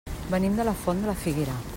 Venim de la Font de la Figuera.